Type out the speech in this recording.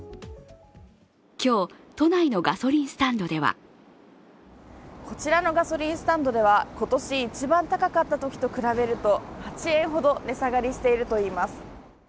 今日、都内のガソリンスタンドではこちらのガソリンスタンドでは今年一番高かったときと比べると８円ほど値下がりしているといいます。